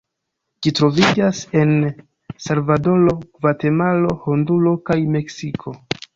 Ĝi troviĝas en Salvadoro, Gvatemalo, Honduro kaj Meksiko.